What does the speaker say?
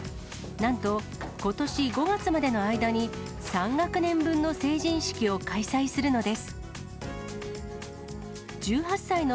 なんと、ことし５月までの間に３学年分の成人式を開催するのです。